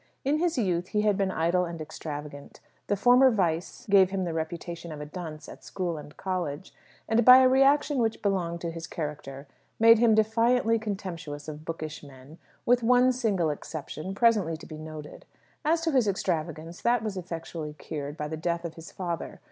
In his youth he had been idle and extravagant. The former vice gave him the reputation of a dunce at school and college, and, by a reaction which belonged to his character, made him defiantly contemptuous of bookish men, with one single exception, presently to be noted. As to his extravagance, that was effectually cured by the death of his father.